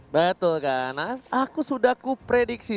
betul kan aku sudah kuprediksi